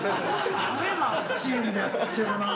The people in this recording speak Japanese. ダメなチームでやってるなぁ。